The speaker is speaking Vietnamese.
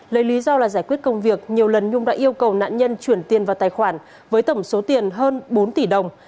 lấy lý do là giải quyết công việc nhiều lần nhung đã yêu cầu nạn nhân chuyển tiền vào tài khoản với tổng số tiền hơn bốn tỷ đồng